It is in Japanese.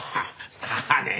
さあね？